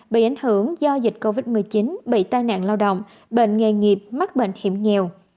bị ảnh hưởng do dịch covid một mươi chín bị tai nạn lao động bệnh nghề nghiệp mắc bệnh hiểm nghèo